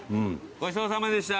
ごちそうさまでした。